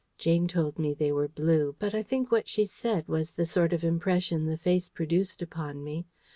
Jane told me they were blue; but I think what she said was the sort of impression the face produced upon me.